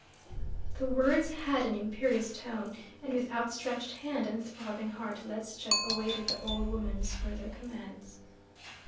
The words had an imperious tone, and with outstretched head and throbbing heart Ledscha awaited the old woman's further commands.